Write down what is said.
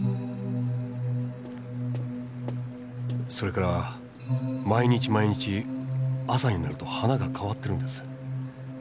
それから毎日毎日朝になると花が変わってるんです。